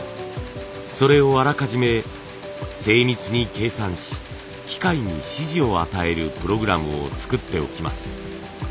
それをあらかじめ精密に計算し機械に指示を与えるプログラムを作っておきます。